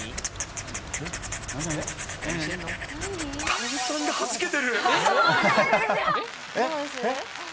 炭酸がはじけてる。